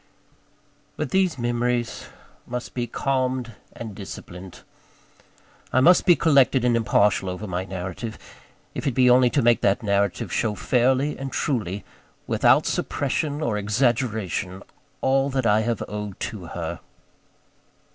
But these memories must be calmed and disciplined. I must be collected and impartial over my narrative if it be only to make that narrative show fairly and truly, without suppression or exaggeration, all that I have owed to her.